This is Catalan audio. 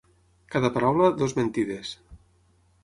Cada paraula, dues mentides.